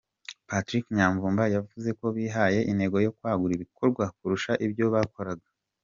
Patrick Nyamvumba yavuze ko bihaye intego yo kwagura ibikorwa kurusha ibyo bakoraga.